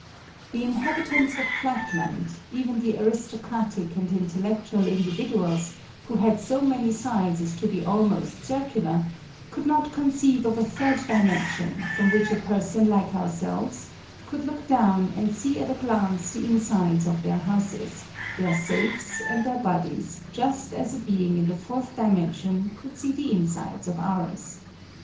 The inhabi tants of Flatland, even the aristocratic and intellectual individuals who had so many sides as to be almost circular, could not conceive of a third dimension from which a person like ourselves could look down and see at a glance the insides of their houses, their safes and their bodies just as a being in the fourth dimension could see the insides of ours.